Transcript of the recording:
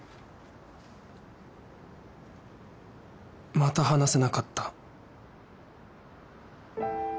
また話せなかった